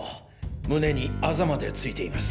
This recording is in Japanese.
胸にアザまでついています。